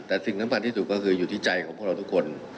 แต่สิ่งสำคัญที่สุดก็คืออยู่ที่ใจของพวกเราทุกคน